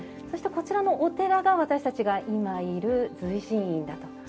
そしてこちらのお寺が私たちが今いる隨心院だと。